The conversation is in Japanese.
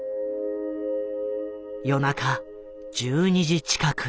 夜中１２時近く。